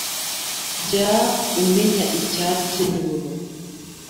jya umenya icyatsi n’ururo